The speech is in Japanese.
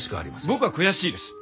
僕は悔しいです。